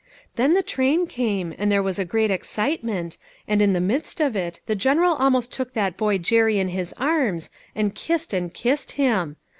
Then the train came, and there was a great excitement, and in the midst of it, the General almost took that boy Jerry in his arms, and kissed and kissed him